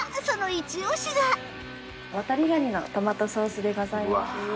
そのイチ押しが渡り蟹のトマトソースでございます。